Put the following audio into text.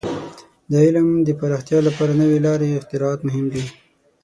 د علم د پراختیا لپاره نوې لارې او اختراعات مهم دي.